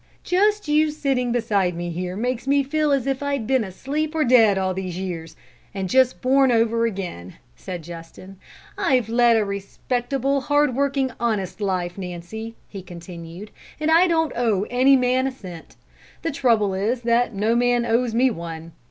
"Just you sitting beside me here makes me feel as if I'd been asleep or dead all these years, and just born over again," said Justin. "I've led a respectable, hard working, honest life, Nancy," he continued, "and I don't owe any man a cent; the trouble is that no man owes me one.